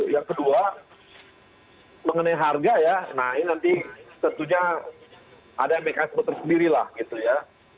yang kedua mengenai harga ya nah ini nanti tentunya ada mekanisme tersendiri lah gitu ya